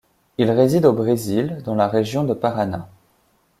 Il réside au Brésil, dans la région de Paraná.